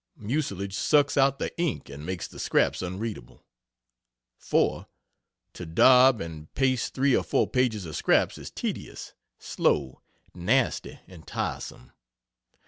Mucilage sucks out the ink and makes the scraps unreadable; 4. To daub and paste 3 or 4 pages of scraps is tedious, slow, nasty and tiresome.